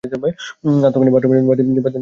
আর তখনি বাথরুমের বাতি নিভে গেল।